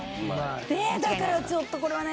だからちょっとこれはね